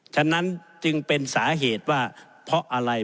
ฉะนั้นจึงเป็นสาเหตุว่าเพราะอะไร